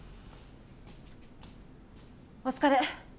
お疲れ。